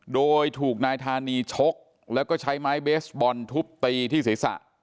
โดยถูกนายธานีชกแล้วก็ใช้ไม้เบสบอลทุบตีที่ศีรษะ